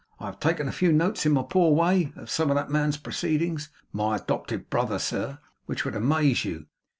I have taken a few notes in my poor way, of some of that man's proceedings my adopted brother, sir, which would amaze you.